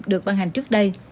được ban hành trước đây